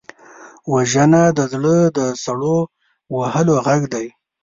وژنه د زړه د سړو وهلو غږ دی